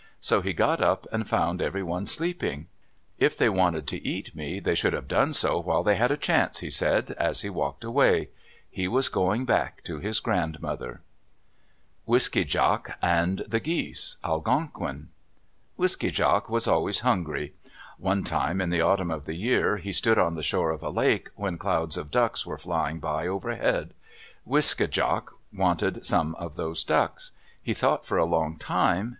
So he got up and found everyone sleeping. "If they wanted to eat me, they should have done so while they had a chance," he said as he walked away. He was going back to his grandmother. WISKE DJAK AND THE GEESE Algonquin Wiske djak was always hungry. One time, in the autumn of the year, he stood on the shores of a lake, when clouds of ducks were flying by overhead. Wiske djak wanted some of those ducks. He thought for a long time.